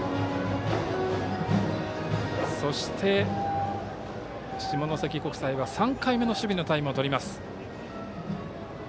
そして、下関国際は３回目の守備のタイムをとります。